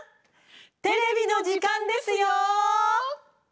テレビの時間ですよ！